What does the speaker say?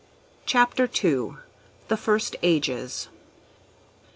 CHAPTER II. THE FIRST AGES.